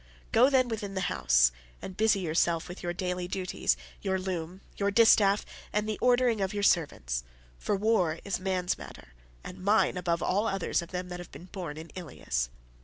Go, then, within the house, and busy yourself with your daily duties, your loom, your distaff, and the ordering of your servants; for war is man's matter, and mine above all others of them that have been born in Ilius."